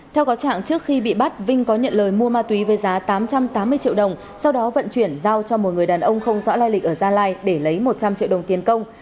theo có trạng trước khi bị bắt vinh có nhận lời mua ma túy với giá tám trăm tám mươi triệu đồng sau đó vận chuyển giao cho một người đàn ông không rõ lai lịch ở gia lai để lấy một trăm linh triệu đồng tiền công